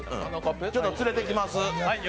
ちょっと連れてきます。